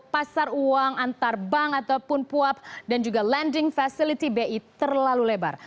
pasar uang antar bank ataupun puap dan juga landing facility bi terlalu lebar